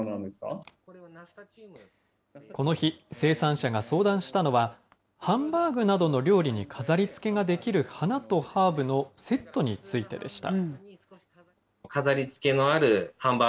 者が相談したのは、ハンバーグなどの料理に飾りつけができる、花とハーブのセットについてでした。